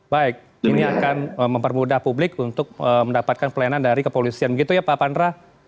baik ini akan mempermudah publik untuk mendapatkan pelayanan dari kepolisian begitu ya pak pandra